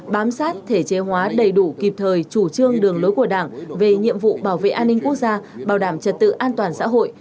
bám sát thể chế hóa đầy đủ kịp thời chủ trương đường lối của đảng về nhiệm vụ bảo vệ an ninh quốc gia bảo đảm trật tự an toàn xã hội